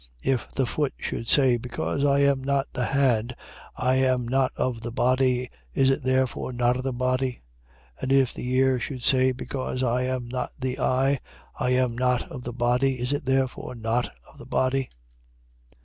12:15. If the foot should say: Because I am not the hand, I am not of the body: Is it therefore not of the Body? 12:16. And if the ear should say: Because I am not the eye, I am not of the body: Is it therefore not of the body?